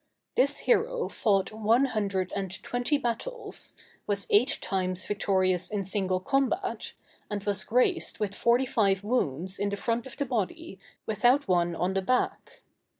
This hero fought one hundred and twenty battles, was eight times victorious in single combat, and was graced with forty five wounds in the front of the body, without one on the back.